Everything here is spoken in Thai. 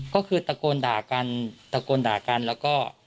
ก็คือตะโกนด่ากันแล้วก็